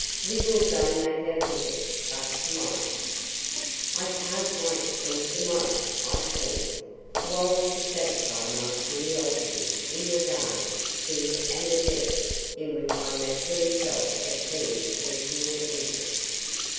We will go make our visit; but to morrow " "I can't wait till to morrow," I pleaded, wild to satisfy my curiosity in regard to an event in which I naturally felt a keen personal interest.